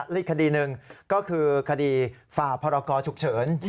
อีกคดีหนึ่งก็คือคดีฝ่าพรกรฉุกเฉิน